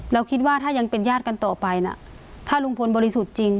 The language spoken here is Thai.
เราคิดว่าถ้ายังเป็นญาติกันต่อไปนะถ้าลุงพลบริสุทธิ์จริง